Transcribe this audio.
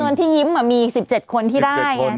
จำนวนที่ยิ้มอ่ะมีสิบเจ็ดคนที่ได้สิบเจ็ดคน